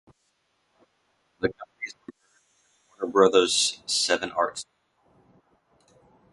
The companies were merged as Warner Bros.-Seven Arts.